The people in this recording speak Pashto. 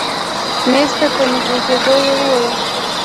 مېز ته په نژدې کېدو يې وويل.